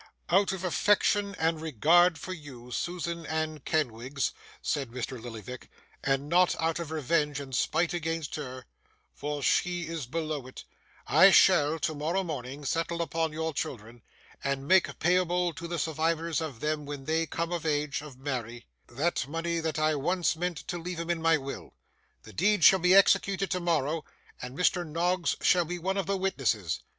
'Out of affection and regard for you, Susan and Kenwigs,' said Mr Lillyvick, 'and not out of revenge and spite against her, for she is below it, I shall, tomorrow morning, settle upon your children, and make payable to the survivors of them when they come of age of marry, that money that I once meant to leave 'em in my will. The deed shall be executed tomorrow, and Mr. Noggs shall be one of the witnesses.